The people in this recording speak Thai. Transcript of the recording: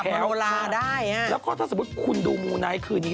แล้วก็ถ้าสมมุติคุณดูมูลนายคืนนี้